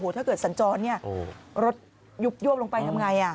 ถ้าเกิดสัญจรรถยุบลงไปทำอย่างไร